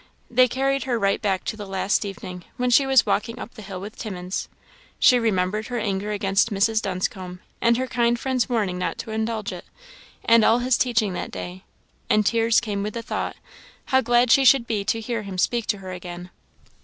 They carried her right back to the last evening, when she was walking up the hill with Timmins; she remembered her anger against Mrs. Dunscombe, and her kind friend's warning not to indulge it, and all his teaching that day; and tears came with the thought, how glad she should be to hear him speak to her again.